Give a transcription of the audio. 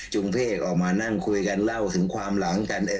เพศออกมานั่งคุยกันเล่าถึงความหลังกัน